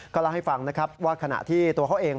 เล่าให้ฟังนะครับว่าขณะที่ตัวเขาเอง